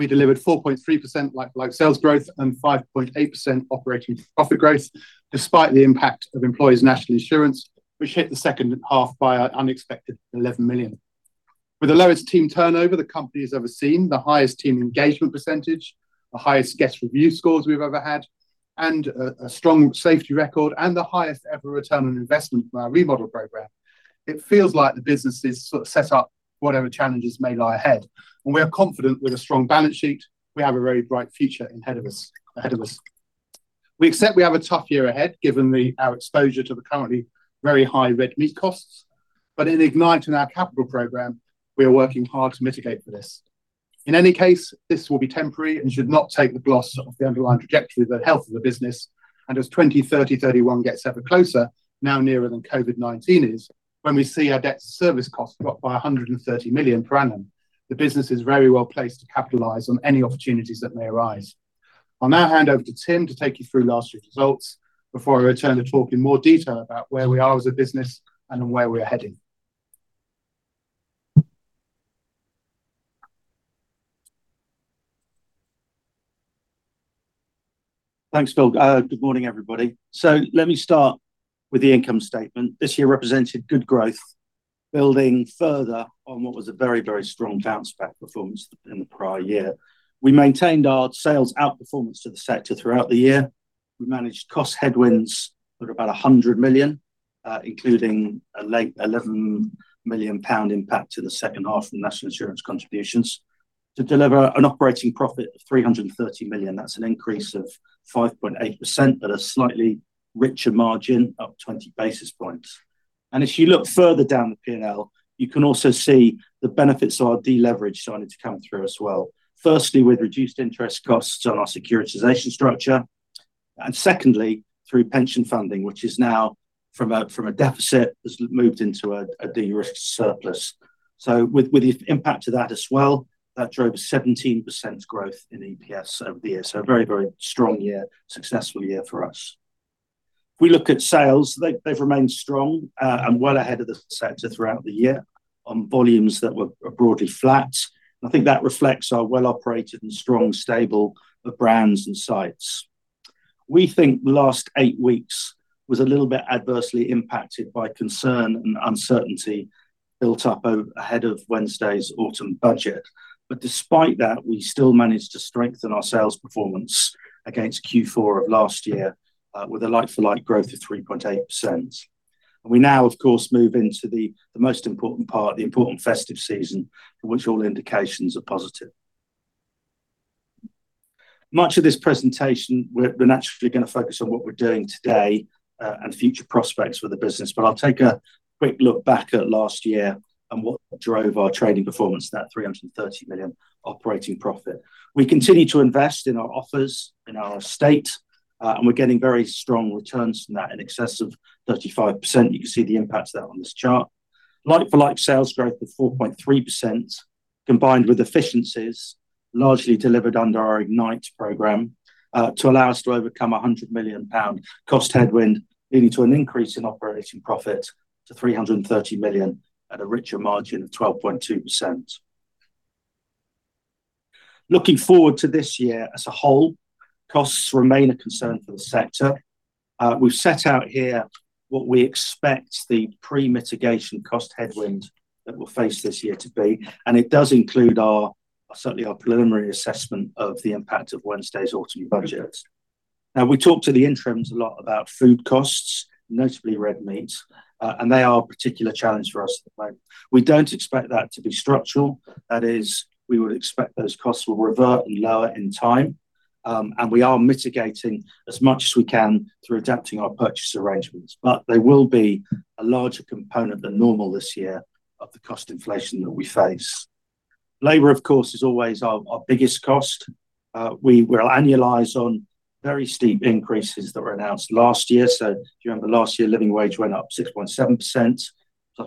We delivered 4.3% like-for-like sales growth and 5.8% operating profit growth, despite the impact of Employees' National Insurance, which hit the second half by an unexpected 11 million. With the lowest team turnover the company has ever seen, the highest team engagement percentage, the highest guest review scores we've ever had, a strong safety record, and the highest ever Return On Investment from our remodel program, it feels like the business is sort of set up for whatever challenges may lie ahead. We are confident with a strong balance sheet, we have a very bright future ahead of us. We accept we have a tough year ahead given our exposure to the currently very high red meat costs, but in Ignite our capital program, we are working hard to mitigate for this. In any case, this will be temporary and should not take the gloss off the underlying trajectory, the health of the business, and as 2030-2031 gets ever closer, now nearer than COVID-19 is, when we see our debt-to-service costs drop by 130 million per annum, the business is very well placed to capitalize on any opportunities that may arise. I'll now hand over to Tim to take you through last year's results before I return to talk in more detail about where we are as a business and where we are heading. Thanks, Phil. Good morning, everybody. Let me start with the income statement. This year represented good growth, building further on what was a very, very strong bounce-back performance in the prior year. We maintained our sales outperformance to the sector throughout the year. We managed cost headwinds of about 100 million, including a late 11 million pound impact to the second half from National Insurance contributions, to deliver an operating profit of 330 million. That is an increase of 5.8% at a slightly richer margin, up 20 basis points. If you look further down the P&L, you can also see the benefits of our deleveraged signing to come through as well. Firstly, with reduced interest costs on our securitization structure, and secondly, through Pension Funding, which is now from a deficit that has moved into a de-risked surplus. With the impact of that as well, that drove a 17% growth in EPS over the year. A very, very strong year, successful year for us. If we look at sales, they've remained strong and well ahead of the sector throughout the year on volumes that were broadly flat. I think that reflects our well-operated and strong, stable brands and sites. We think the last eight weeks was a little bit adversely impacted by concern and uncertainty built up ahead of Wednesday's Autumn Budget. Despite that, we still managed to strengthen our sales performance against Q4 of last year with a like-for-like growth of 3.8%. We now, of course, move into the most important part, the important festive season, for which all indications are positive. Much of this presentation, we're naturally going to focus on what we're doing today and future prospects for the business, but I'll take a quick look back at last year and what drove our trading performance to that 330 million operating profit. We continue to invest in our offers, in our estate, and we're getting very strong returns from that in excess of 35%. You can see the impact of that on this chart. Like-for-like sales growth of 4.3%, combined with efficiencies largely delivered under our Ignite program, to allow us to overcome a 100 million pound cost headwind, leading to an increase in operating profit to 330 million at a richer margin of 12.2%. Looking forward to this year as a whole, costs remain a concern for the sector. We've set out here what we expect the pre-mitigation cost headwind that we'll face this year to be, and it does include certainly our preliminary assessment of the impact of Wednesday's Autumn Budget. Now, we talk to the interim a lot about food costs, notably red meat, and they are a particular challenge for us at the moment. We don't expect that to be structural. That is, we would expect those costs will revert and lower in time, and we are mitigating as much as we can through adapting our purchase arrangements, but there will be a larger component than normal this year of the cost inflation that we face. Labor, of course, is always our biggest cost. We will annualize on very steep increases that were announced last year. If you remember last year, living wage went up 6.7%.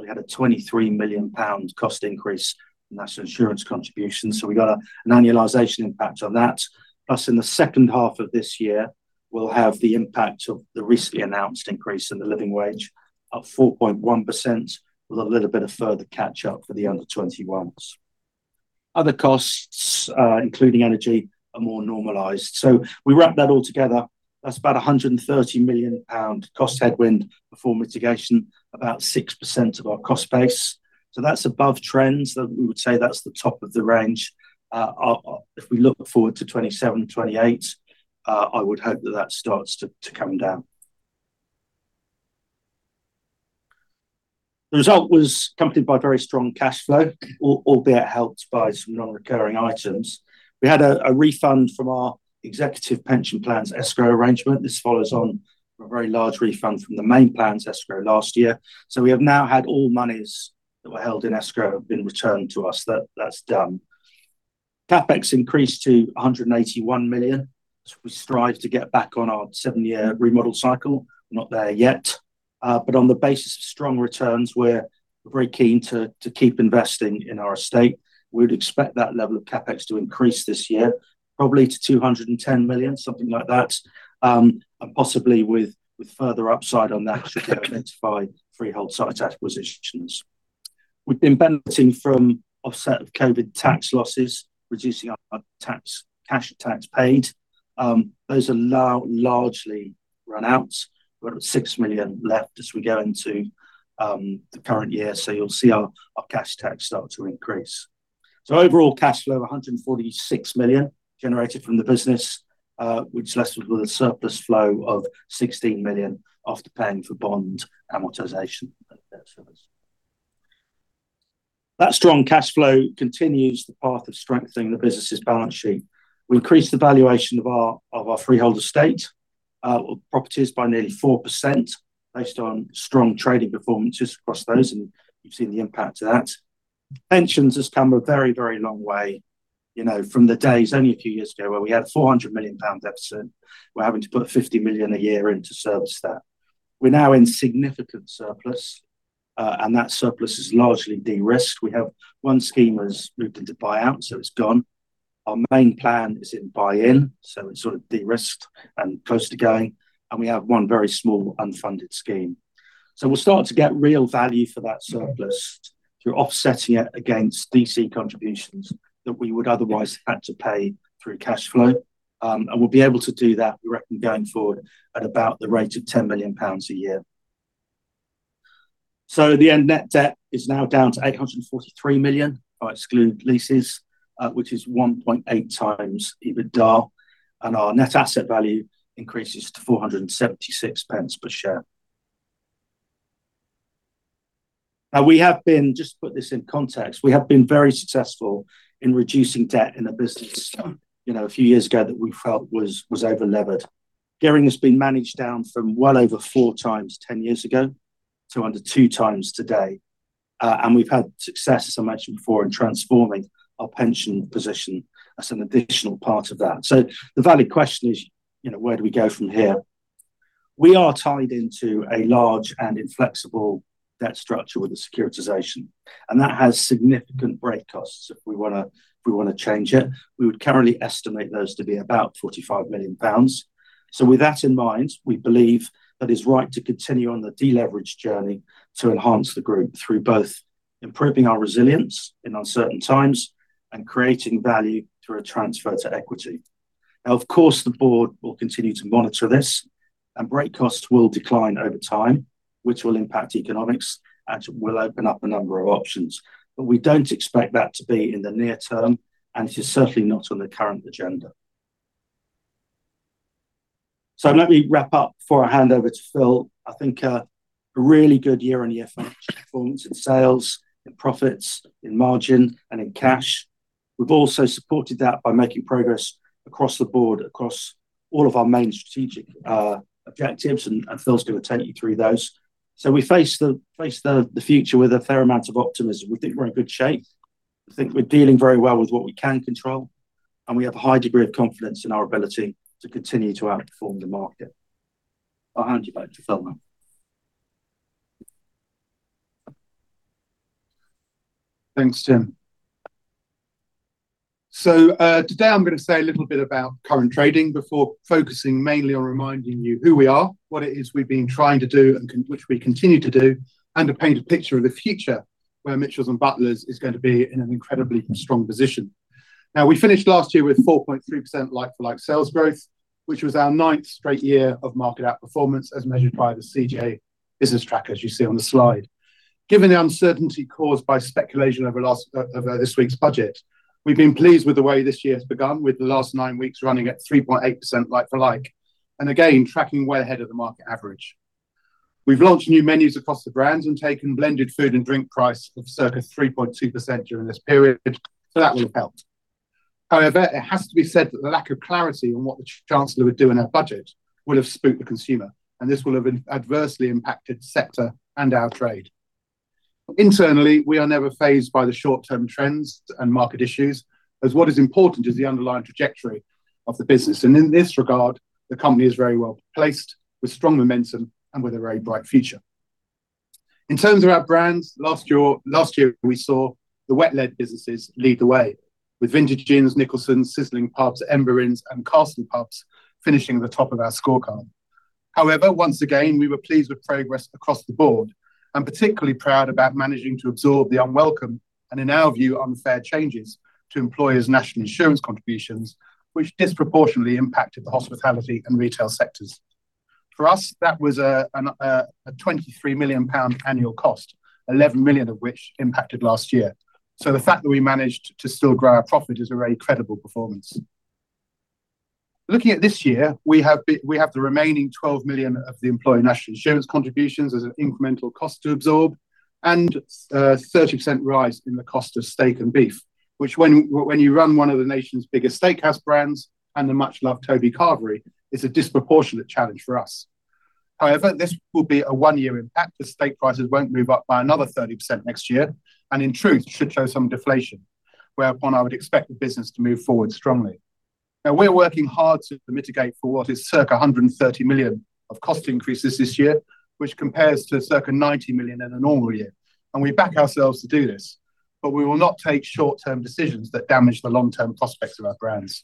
We had a 23 million pound cost increase in national insurance contributions, so we got an Annualization Impact on that. Plus, in the second half of this year, we'll have the impact of the recently announced increase in the living wage of 4.1%, with a little bit of further catch-up for the under-21s. Other costs, including energy, are more normalized. We wrap that all together. That's about a 130 million pound cost headwind before mitigation, about 6% of our cost base. That's above trends. We would say that's the top of the range. If we look forward to 2027-2028, I would hope that that starts to come down. The result was accompanied by very strong cash flow, albeit helped by some non-recurring items. We had a refund from our Executive Pension Plans Escrow arrangement. This follows on from a very large refund from the main plans escrow last year. We have now had all monies that were held in Escrow have been returned to us. That's done. CapEx increased to 181 million, as we strive to get back on our seven-year remodel cycle. We're not there yet. On the basis of strong returns, we're very keen to keep investing in our estate. We would expect that level of CapEx to increase this year, probably to 210 million, something like that, and possibly with further upside on that if we can identify freehold site acquisitions. We've been benefiting from offset of COVID tax losses, reducing our cash tax paid. Those are largely run-outs. We've got 6 million left as we go into the current year, so you'll see our cash tax start to increase. Overall cash flow, 146 million generated from the business, which is lessened with a surplus flow of 16 million after paying for bond amortization. That strong cash flow continues the path of strengthening the business's balance sheet. We increased the valuation of our freehold estate properties by nearly 4%, based on strong trading performances across those, and you have seen the impact of that. Pensions has come a very, very long way from the days only a few years ago where we had a 400 million pound deficit. We were having to put 50 million a year in to service that. We are now in significant surplus, and that surplus is largely de-risked. We have one scheme that has moved into buyout, so it is gone. Our main plan is in buy-in, so it is sort of de-risked and close to going, and we have one very small unfunded scheme. We will start to get real value for that surplus through offsetting it against DC contributions that we would otherwise have to pay through cash flow, and we will be able to do that, we reckon, going forward at about the rate of 10 million pounds a year. The end net debt is now down to 843 million, if I exclude leases, which is 1.8 times EBITDA, and our Net Asset Value increases to 4.76 per share. We have been, just to put this in context, very successful in reducing debt in a business a few years ago that we felt was over-levered. Gearing has been managed down from well over four times 10 years ago to under two times today, and we have had success, as I mentioned before, in transforming our pension position as an additional part of that. The valid question is, where do we go from here? We are tied into a large and inflexible debt structure with the securitization, and that has significant break costs if we want to change it. We would currently estimate those to be about 45 million pounds. With that in mind, we believe that it's right to continue on the deleveraged journey to enhance the group through both improving our resilience in uncertain times and creating value through a transfer to equity. Of course, the board will continue to monitor this, and break costs will decline over time, which will impact economics and will open up a number of options. We do not expect that to be in the near term, and it is certainly not on the current agenda. Let me wrap up before I hand over to Phil. I think a really good year on year financial performance in sales, in profits, in margin, and in cash. We have also supported that by making progress across the board, across all of our main strategic objectives, and Phil is going to take you through those. We face the future with a fair amount of optimism. We think we are in good shape. We think we are dealing very well with what we can control, and we have a high degree of confidence in our ability to continue to outperform the market. I will hand you back to Phil now. Thanks, Tim. Today I'm going to say a little bit about current trading before focusing mainly on reminding you who we are, what it is we've been trying to do and which we continue to do, and a painted picture of the future where Mitchells & Butlers is going to be in an incredibly strong position. Now, we finished last year with 4.3% like-for-like sales growth, which was our ninth straight year of market outperformance as measured by the CGA business track, as you see on the slide. Given the uncertainty caused by speculation over this week's budget, we've been pleased with the way this year has begun, with the last nine weeks running at 3.8% like-for-like, and again, tracking way ahead of the market average. We've launched new menus across the brands and taken blended food and drink price of circa 3.2% during this period, so that will have helped. However, it has to be said that the lack of clarity on what the Chancellor would do in our budget would have spooked the consumer, and this will have adversely impacted the sector and our trade. Internally, we are never fazed by the short-term trends and market issues, as what is important is the underlying trajectory of the business, and in this regard, the company is very well placed with strong momentum and with a very bright future. In terms of our brands, last year we saw the wet-led businesses lead the way, with Vintage Inns, Nicholson's, Sizzling Pubs, Ember Inns, and Castle Pubs finishing at the top of our scorecard. However, once again, we were pleased with progress across the board and particularly proud about managing to absorb the unwelcome and, in our view, unfair changes to Employers' National Insurance Contributions, which disproportionately impacted the hospitality and retail sectors. For us, that was a 23 million pound annual cost, 11 million of which impacted last year. The fact that we managed to still grow our profit is a very credible performance. Looking at this year, we have the remaining 12 million of the Employee National Insurance Contributions as an incremental cost to absorb and a 30% rise in the cost of steak and beef, which, when you run one of the nation's biggest steakhouse brands and the much-loved Toby Carvery, is a disproportionate challenge for us. However, this will be a one-year impact. The steak prices won't move up by another 30% next year and, in truth, should show some deflation, whereupon I would expect the business to move forward strongly. Now, we're working hard to mitigate for what is circa 130 million of cost increases this year, which compares to circa 90 million in a normal year, and we back ourselves to do this, but we will not take short-term decisions that damage the long-term prospects of our brands.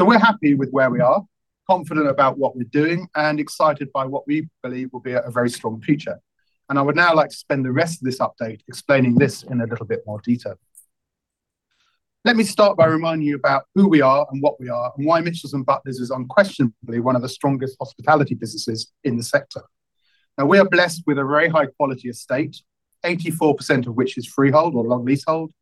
We are happy with where we are, confident about what we're doing, and excited by what we believe will be a very strong future. I would now like to spend the rest of this update explaining this in a little bit more detail. Let me start by reminding you about who we are and what we are and why Mitchells & Butlers is unquestionably one of the strongest hospitality businesses in the sector. Now, we are blessed with a very high-quality estate, 84% of which is freehold or long leasehold,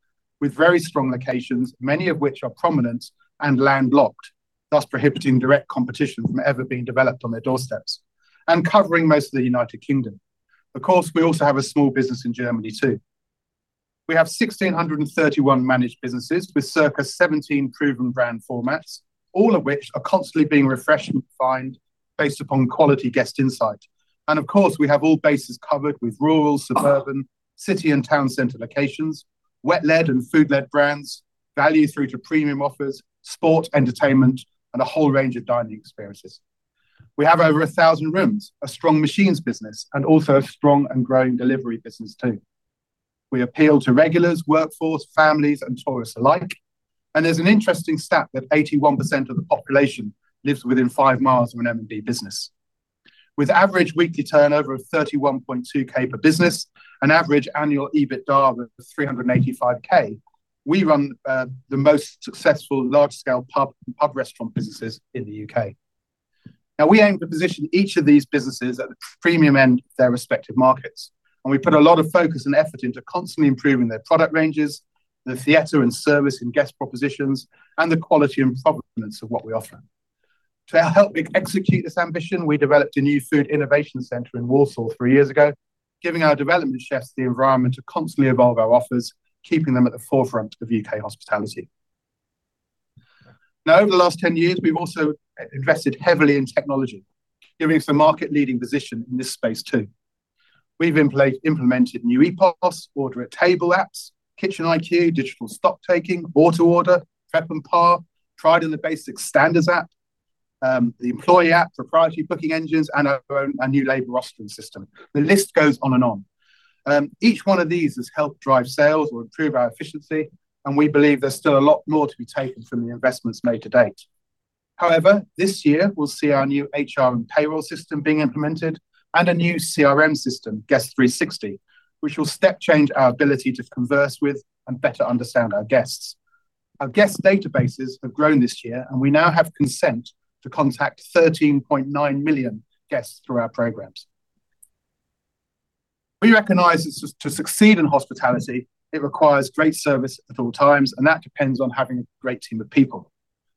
with very strong locations, many of which are prominent and landlocked, thus prohibiting direct competition from ever being developed on their doorsteps and covering most of the U.K. Of course, we also have a small business in Germany too. We have 1,631 managed businesses with circa 17 proven brand formats, all of which are constantly being refreshed and refined based upon quality guest insight. Of course, we have all bases covered with rural, suburban, city, and town centre locations, wet-led and food-led brands, value through to premium offers, sport, entertainment, and a whole range of dining experiences. We have over 1,000 rooms, a strong machines business, and also a strong and growing delivery business too. We appeal to regulars, workforce, families, and tourists alike, and there is an interesting stat that 81% of the population lives within five miles of an M&B business. With average weekly turnover of 31,200 per business and Average Annual EBITDA of 385,000, we run the most successful large-scale pub restaurant businesses in the U.K. Now, we aim to position each of these businesses at the premium end of their respective markets, and we put a lot of focus and effort into constantly improving their product ranges, the theatre and service and guest propositions, and the quality and provenance of what we offer. To help execute this ambition, we developed a new food innovation centre in Warsaw three years ago, giving our development chefs the environment to constantly evolve our offers, keeping them at the forefront of U.K. hospitality. Now, over the last ten years, we've also invested heavily in technology, giving us a market-leading position in this space too. We've implemented new E-pass, Order-at-table apps, Kitchen IQ, Digital stock-taking, order-to-order, Prep & Par, Tried and the Basic Standards app, The Employee app, proprietary booking engines, and our new label rostering system. The list goes on and on. Each one of these has helped drive sales or improve our efficiency, and we believe there's still a lot more to be taken from the investments made to date. However, this year, we'll see our new HR and Payroll system being implemented and a new CRM system, Guest 360, which will step-change our ability to converse with and better understand our guests. Our guest databases have grown this year, and we now have consent to contact 13.9 million guests through our programs. We recognize that to succeed in hospitality, it requires great service at all times, and that depends on having a great team of people.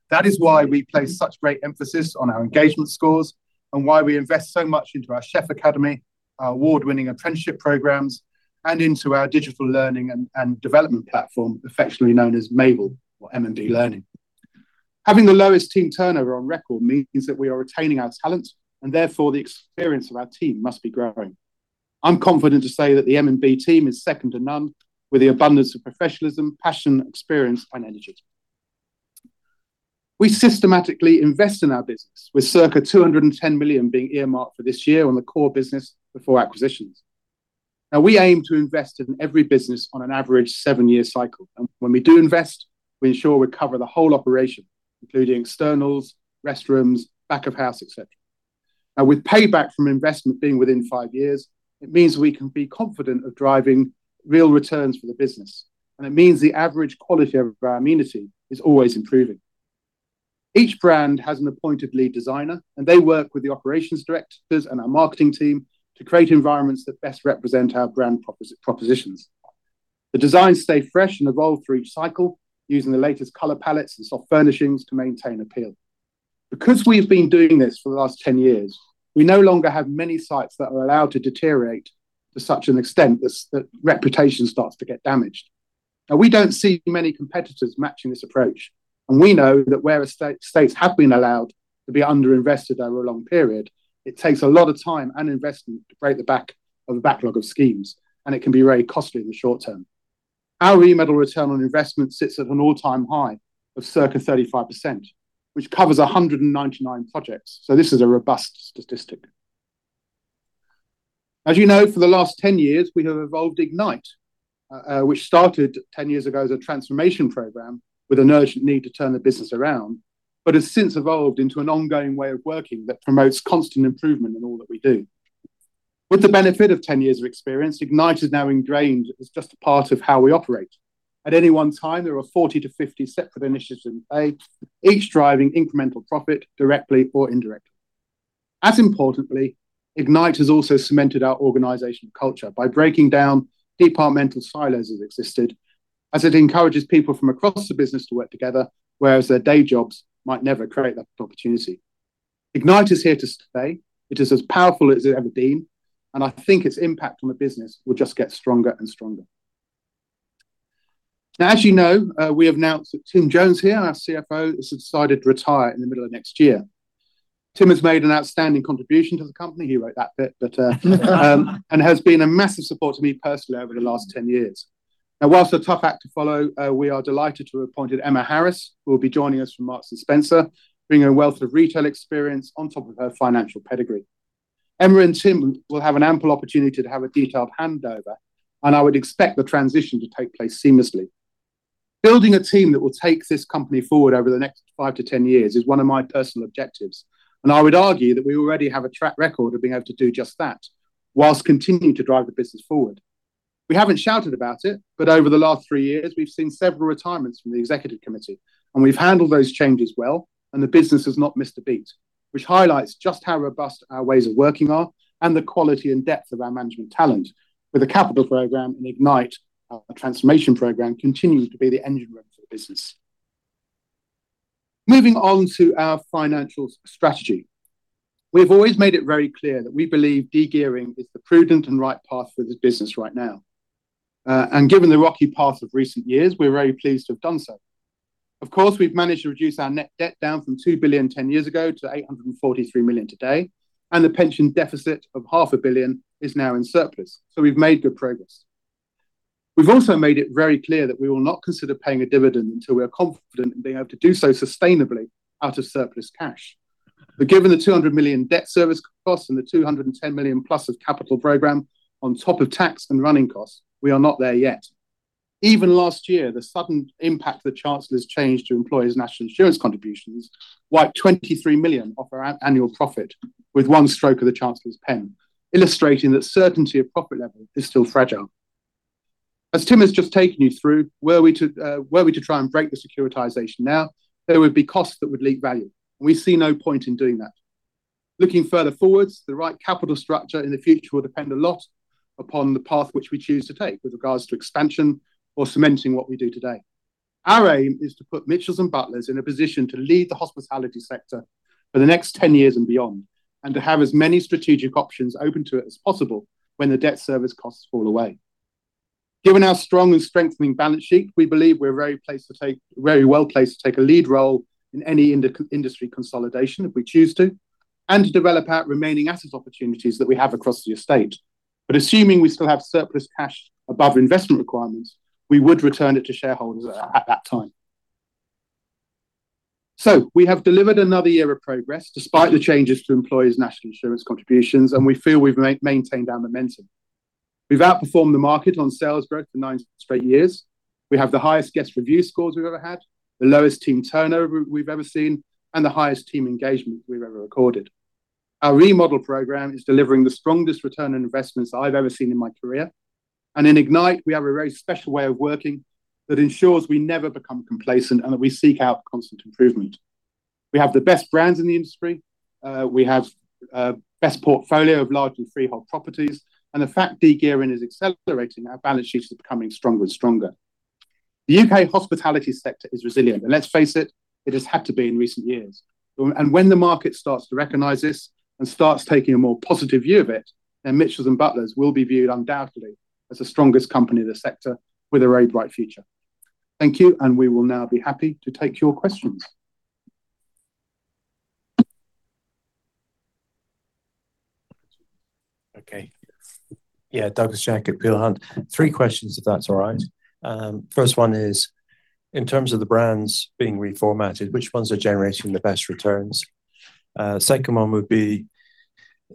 That is why we place such great emphasis on our engagement scores and why we invest so much into our Chef Academy, our award-winning apprenticeship programs, and into our digital learning and development platform, affectionately known as MAVL, or M&B Learning. Having the lowest team turnover on record means that we are retaining our talent, and therefore the experience of our team must be growing. I'm confident to say that the M&B team is second to none with the abundance of professionalism, passion, experience, and energy. We systematically invest in our business, with 210 million being earmarked for this year on the core business before acquisitions. Now, we aim to invest in every business on an average seven-year cycle, and when we do invest, we ensure we cover the whole operation, including externals, restrooms, back of house, etc. Now, with payback from investment being within five years, it means we can be confident of driving real returns for the business, and it means the average quality of our amenity is always improving. Each brand has an appointed lead designer, and they work with the operations directors and our marketing team to create environments that best represent our brand propositions. The designs stay fresh and evolve through each cycle, using the latest color palettes and soft furnishings to maintain appeal. Because we've been doing this for the last ten years, we no longer have many sites that are allowed to deteriorate to such an extent that reputation starts to get damaged. Now, we don't see many competitors matching this approach, and we know that where estates have been allowed to be under-invested over a long period, it takes a lot of time and investment to break the back of a backlog of schemes, and it can be very costly in the short term. Our remodel Return On Investment sits at an all-time high of circa 35%, which covers 199 projects, so this is a robust statistic. As you know, for the last ten years, we have evolved Ignite, which started ten years ago as a transformation program with an urgent need to turn the business around, but has since evolved into an ongoing way of working that promotes constant improvement in all that we do. With the benefit of ten years of experience, Ignite has now ingrained as just a part of how we operate. At any one time, there are 40-50 separate initiatives in play, each driving incremental profit directly or indirectly. As importantly, Ignite has also cemented our organizational culture by breaking down departmental silos that existed, as it encourages people from across the business to work together, whereas their day jobs might never create that opportunity. Ignite is here to stay. It is as powerful as it has ever been, and I think its impact on the business will just get stronger and stronger. Now, as you know, we have now Tim Jones here, our CFO, has decided to retire in the middle of next year. Tim has made an outstanding contribution to the company. He wrote that bit, but, and has been a massive support to me personally over the last ten years. Now, whilst a tough act to follow, we are delighted to have appointed Emma Harris, who will be joining us from Marks & Spencer, bringing a wealth of retail experience on top of her financial pedigree. Emma and Tim will have an ample opportunity to have a detailed handover, and I would expect the transition to take place seamlessly. Building a team that will take this company forward over the next five to ten years is one of my personal objectives, and I would argue that we already have a track record of being able to do just that whilst continuing to drive the business forward. We haven't shouted about it, but over the last three years, we've seen several retirements from the executive committee, and we've handled those changes well, and the business has not missed a beat, which highlights just how robust our ways of working are and the quality and depth of our management talent, with a capital program and Ignite, our transformation program, continuing to be the engine room for the business. Moving on to our financial strategy, we have always made it very clear that we believe degearing is the prudent and right path for the business right now, and given the rocky path of recent years, we're very pleased to have done so. Of course, we've managed to reduce our Net Debt down from 2 billion ten years ago to 843 million today, and the pension deficit of 500 million is now in surplus, so we've made good progress. We've also made it very clear that we will not consider paying a dividend until we are confident in being able to do so sustainably out of surplus cash. Given the 200 million debt service cost and the 210 million plus of capital program on top of tax and running costs, we are not there yet. Even last year, the sudden impact of the Chancellor's change to Employees' National Insurance Contributions wiped 23 million off our annual profit with one stroke of the Chancellor's pen, illustrating that certainty of profit level is still fragile. As Tim has just taken you through, were we to try and break the securitization now, there would be costs that would leak value, and we see no point in doing that. Looking further forwards, the right capital structure in the future will depend a lot upon the path which we choose to take with regards to expansion or cementing what we do today. Our aim is to put Mitchells & Butlers in a position to lead the hospitality sector for the next ten years and beyond and to have as many strategic options open to it as possible when the debt service costs fall away. Given our strong and strengthening balance sheet, we believe we're very well placed to take a lead role in any industry consolidation if we choose to and to develop out remaining asset opportunities that we have across the estate. If we still have surplus cash above investment requirements, we would return it to shareholders at that time. We have delivered another year of progress despite the changes to Employees' National Insurance Contributions, and we feel we've maintained our momentum. We've outperformed the market on sales growth for nine straight years. We have the highest guest review scores we've ever had, the lowest team turnover we've ever seen, and the highest team engagement we've ever recorded. Our remodel program is delivering the strongest Return On Investments I've ever seen in my career, and in Ignite, we have a very special way of working that ensures we never become complacent and that we seek out constant improvement. We have the best brands in the industry. We have the best portfolio of largely freehold properties, and the fact degearing is accelerating, our balance sheets are becoming stronger and stronger. The U.K. hospitality sector is resilient, and let's face it, it has had to be in recent years. When the market starts to recognize this and starts taking a more positive view of it, then Mitchells & Butlers will be viewed undoubtedly as the strongest company in the sector with a very bright future. Thank you, and we will now be happy to take your questions. Okay. Yeah, Douglas Jack at Peel Hunt. Three questions, if that's all right. First one is, in terms of the brands being reformatted, which ones are generating the best returns? Second one would be,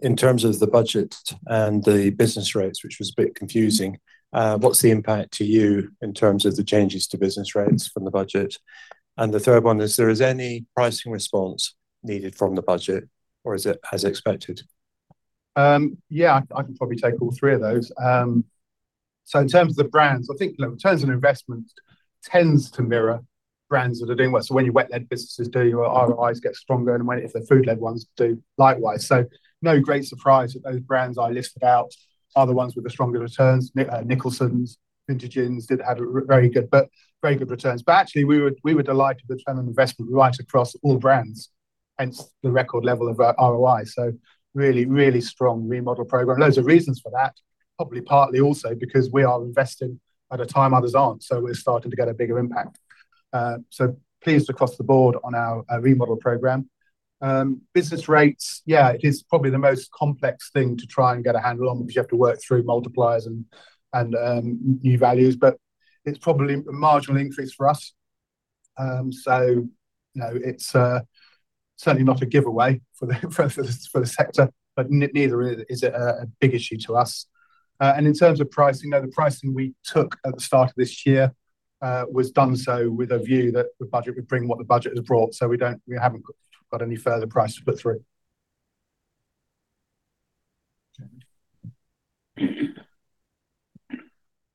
in terms of the budget and the business rates, which was a bit confusing, what's the impact to you in terms of the changes to business rates from the budget? The third one is, there is any pricing response needed from the budget, or is it as expected? Yeah, I can probably take all three of those. In terms of the brands, I think returns on investment tends to mirror brands that are doing well. When your wet-led businesses do, your ROIs get stronger, and if the food-led ones do, likewise. No great surprise that those brands I listed out are the ones with the stronger returns. Nicholson's and Vintage Inns had very good returns. Actually, we were delighted with Return On Investment right across all brands, hence the record level of ROI. Really, really strong remodel program. There is a reason for that, probably partly also because we are investing at a time others are not, so we are starting to get a bigger impact. Pleased across the board on our remodel program. Business rates, yeah, it is probably the most complex thing to try and get a handle on because you have to work through multipliers and new values, but it is probably a marginal increase for us. It is certainly not a giveaway for the sector, but neither is it a big issue to us. In terms of pricing, the pricing we took at the start of this year was done so with a view that the budget would bring what the budget has brought, so we have not got any further price to put through.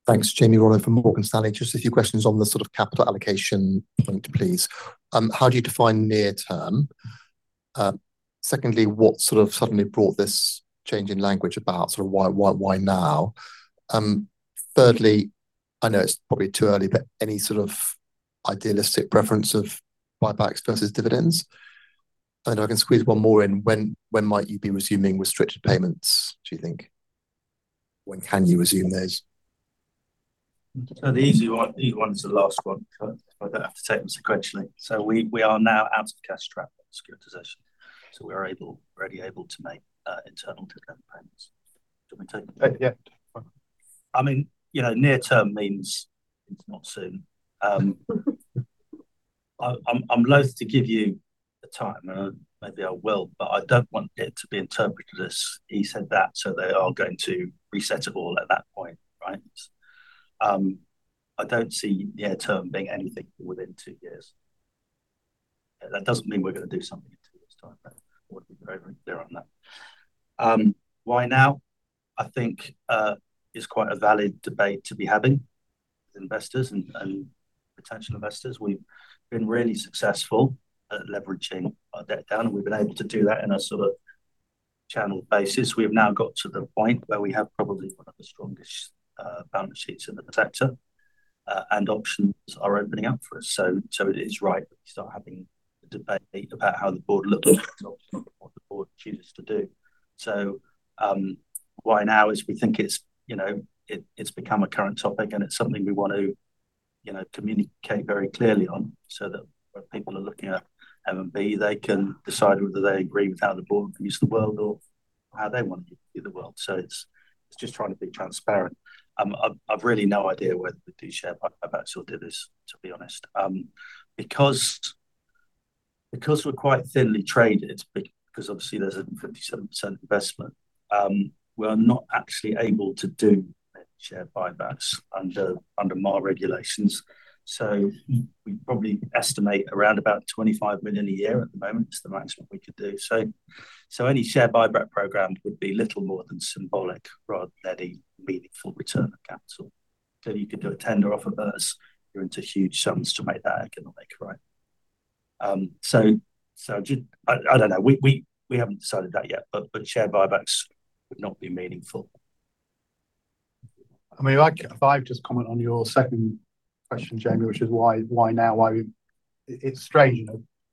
Thanks, Jamie Rollo from Morgan Stanley. Just a few questions on the sort of capital allocation point, please. How do you define near-term? Secondly, what sort of suddenly brought this change in language about sort of why now? Thirdly, I know it is probably too early, but any sort of idealistic preference of buybacks versus dividends? I can squeeze one more in. When might you be resuming restricted payments, do you think? When can you resume those? The easy one is the last one. I do not have to take them sequentially. We are now out of Cash Trap Securitization, so we are already able to make internal dividend payments. Do you want me to take it? Yeah. I mean, near-term means it's not soon. I'm loath to give you a time, and maybe I will, but I don't want it to be interpreted as he said that, so they are going to reset it all at that point, right? I don't see near-term being anything within two years. That doesn't mean we're going to do something in two years' time, but I want to be very clear on that. Why now? I think it's quite a valid debate to be having with investors and potential investors. We've been really successful at leveraging our debt down, and we've been able to do that in a sort of channeled basis. We have now got to the point where we have probably one of the strongest balance sheets in the sector, and options are opening up for us. It is right that we start having a debate about how the board looks and what the board chooses to do. Why now is we think it's become a current topic, and it's something we want to communicate very clearly on so that when people are looking at M&B, they can decide whether they agree with how the board views the world or how they want to view the world. It's just trying to be transparent. I've really no idea whether we do share buybacks or dividends, to be honest. Because we're quite thinly traded, because obviously there's a 57% investment, we're not actually able to do share buybacks under MAR regulations. We probably estimate around about 25 million a year at the moment is the maximum we could do. Any Share Buyback Program would be little more than symbolic rather than any meaningful return on capital. You could do a tender offer versus you're into huge sums to make that economic right. I don't know. We haven't decided that yet, but share buybacks would not be meaningful. I mean, if I could just comment on your second question, Jamie, which is why now, why we, it's strange.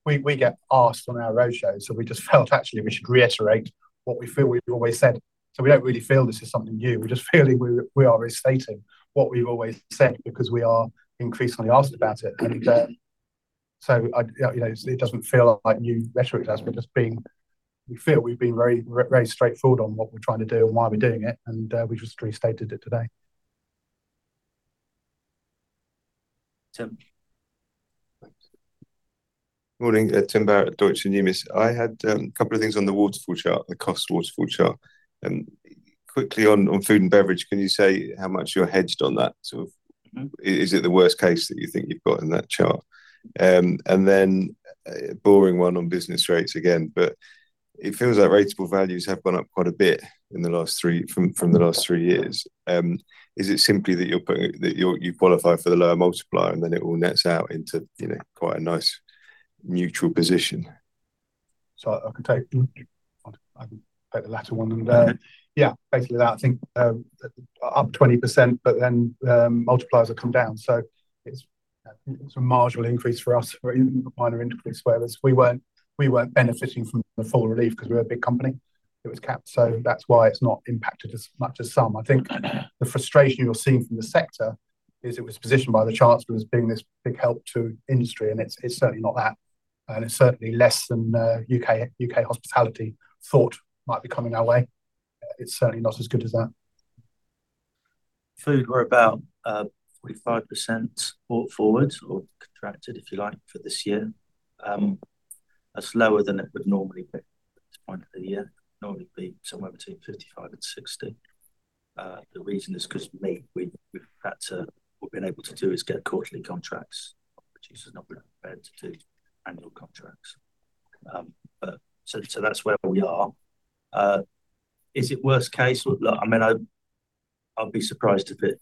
We get asked on our roadshows, so we just felt actually we should reiterate what we feel we've always said. We don't really feel this is something new. We're just feeling we are restating what we've always said because we are increasingly asked about it. It does not feel like new rhetoric to us, but just being we feel we have been very straightforward on what we are trying to do and why we are doing it, and we have just restated it today. Tim. Good morning. Tim Barrett at Deutsche Numis. I had a couple of things on the Waterfall Chart, the cost Waterfall Chart. Quickly on food and beverage, can you say how much you are hedged on that? Is it the worst case that you think you have got in that chart? A boring one on business rates again, but it feels like ratable values have gone up quite a bit from the last three years. Is it simply that you qualify for the lower multiplier, and then it all nets out into quite a nice neutral position? I can take the latter one then. Yes, basically that. I think up 20%, but then multipliers have come down. It is a marginal increase for us, a minor increase, whereas we were not benefiting from the full relief because we are a big company. It was capped, so that is why it is not impacted as much as some. I think the frustration you are seeing from the sector is it was positioned by the Chancellor as being this big help to industry, and it is certainly not that. It is certainly less than U.K. hospitality thought might be coming our way. It is certainly not as good as that. Food, we are about 45% brought forward or contracted, if you like, for this year. That is lower than it would normally be at this point of the year. It would normally be somewhere between 55-60%. The reason is because what we have been able to do is get quarterly contracts. Producers are not really prepared to do annual contracts. That is where we are. Is it worst case? I mean, I will be surprised if it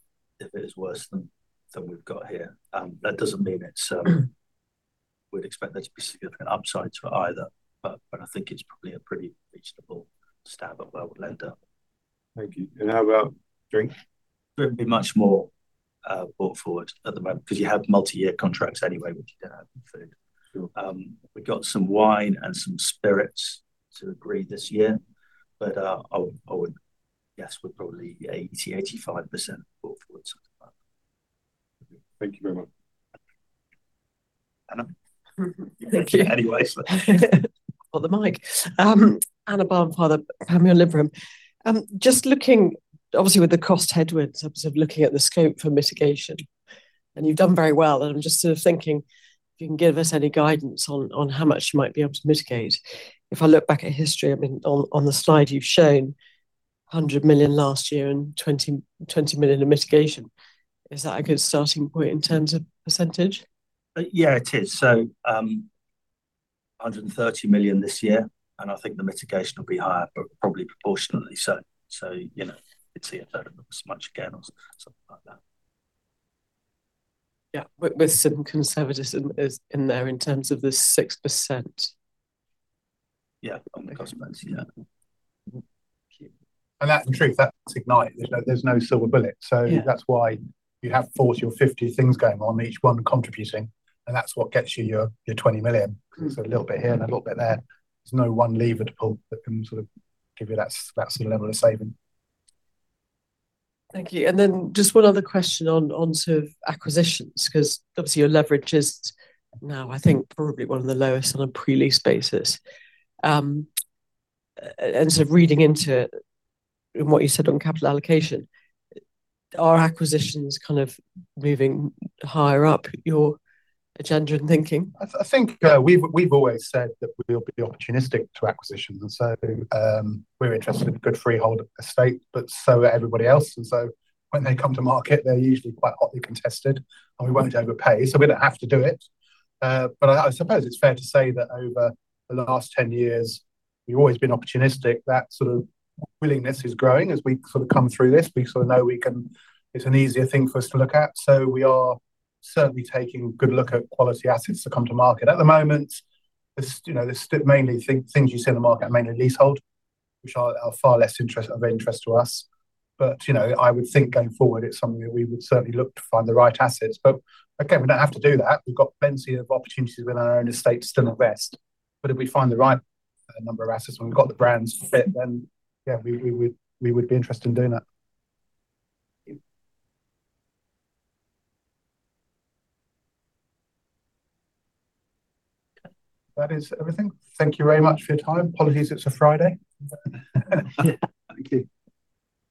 is worse than we have got here. That does not mean we would expect there to be significant upsides for either, but I think it is probably a pretty reasonable standard where we will end up. Thank you. How about Drink? Drink would be much more brought forward at the moment because you have multi-year contracts anyway, which you do not have with food. We have got some wine and some spirits to agree this year, but I would guess we are probably 80-85% brought forward, something like that. Thank you very much. Thank you anyway for the mic. Anna Barnfather, Panmure Liberum. Just looking, obviously with the cost headwinds, looking at the scope for mitigation, and you have done very well. I'm just sort of thinking if you can give us any guidance on how much you might be able to mitigate. If I look back at history, I mean, on the slide you've shown, 100 million last year and 20 million of mitigation. Is that a good starting point in terms of percentage? Yeah, it is. 130 million this year, and I think the mitigation will be higher, but probably proportionately so. It's a third of this much again or something like that. Yeah, with some conservatism in there in terms of the 6%. Yeah, on the cost base, yeah. That's true. That's Ignite. There's no silver bullet. That's why you have 40 or 50 things going on, each one contributing, and that's what gets you your 20 million. A little bit here and a little bit there. There's no one lever to pull that can sort of give you that sort of level of saving. Thank you. Just one other question on sort of acquisitions, because obviously your leverage is now, I think, probably one of the lowest on a pre-lease basis. Sort of reading into what you said on capital allocation, are acquisitions kind of moving higher up your agenda and thinking? I think we've always said that we'll be opportunistic to acquisitions. We're interested in good freehold estate, but so is everybody else. When they come to market, they're usually quite hotly contested, and we won't overpay. We don't have to do it. I suppose it's fair to say that over the last 10 years, we've always been opportunistic. That sort of willingness is growing as we sort of come through this. We sort of know it's an easier thing for us to look at. We are certainly taking a good look at quality assets to come to market. At the moment, there's mainly things you see in the market, mainly leasehold, which are far less of interest to us. I would think going forward, it's something that we would certainly look to find the right assets. Again, we do not have to do that. We have plenty of opportunities within our own estate to still invest. If we find the right number of assets and we have the brands fit, then yeah, we would be interested in doing that. That is everything. Thank you very much for your time. Apologies. It's a Friday. Thank you.